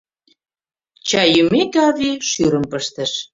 Чай йӱмеке, авий шӱрым пыштыш.